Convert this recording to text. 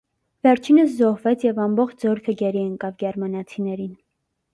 Վերջինս զոհվեց և ամբողջ զորքը գերի ընկավ գերմանացիներին։